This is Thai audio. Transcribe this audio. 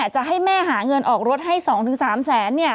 จะให้แม่หาเงินออกรถให้๒๓แสน